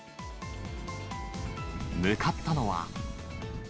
向かったのは。